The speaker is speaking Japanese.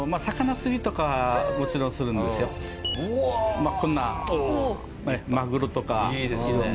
まあこんなマグロとか色んな。